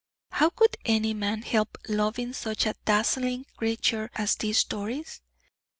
How could any man help loving such a dazzling creature as this Doris?